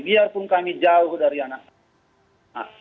biarpun kami jauh dari anak kami